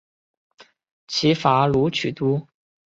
齐伐鲁取都。